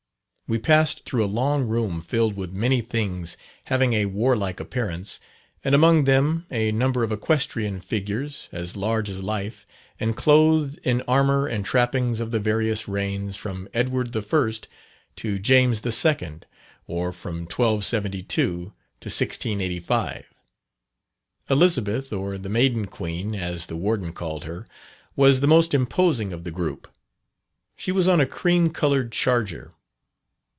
We passed through a long room filled with many things having a warlike appearance; and among them a number of equestrian figures, as large as life, and clothed in armour and trappings of the various reigns from Edward I. to James II., or from 1272 to 1685. Elizabeth, or the "Maiden Queen," as the warden called her, was the most imposing of the group; she was on a cream coloured charger.